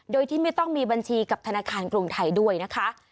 โดยที่ไม่ต้องมีบัญชีกับธนาคารกรุงไทยด้วยนะคะ